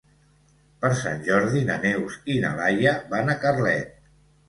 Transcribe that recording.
Per Sant Jordi na Neus i na Laia van a Carlet.